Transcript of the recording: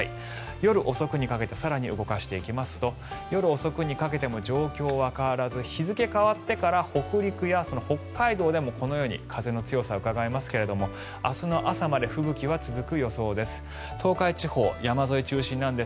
夜遅くにかけて更に動かしていきますと夜遅くにかけても状況は変わらず日付が変わってから北陸やその北海道でもこのように風の強さがうかがえますが明日の朝まで吹雪は続く予想です。